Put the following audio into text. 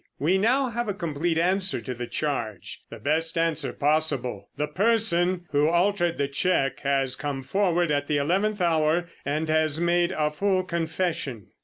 We now have a complete answer to the charge—the best answer possible—the person who altered the cheque has come forward at the eleventh hour and has made a full confession."